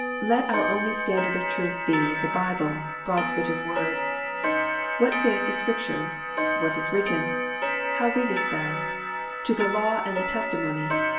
Let our only standard of truth be the Bible, God s Word written. " What saith the Scripture?" "What is written?" "How readest thou?" "To the law and the testimony!"